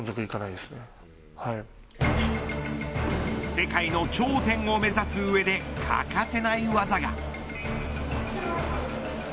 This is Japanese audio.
世界の頂点を目指す上で欠かせない技が。